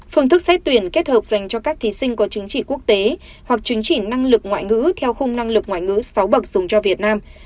phương thức xét tuyển kết hợp dành cho các thí sinh có chứng chỉ quốc tế hoặc chứng chỉ năng lực ngoại ngữ theo khung năng lực ngoại ngữ sáu bậc dùng cho việt nam